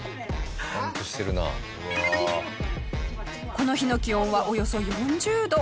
この日の気温はおよそ４０度。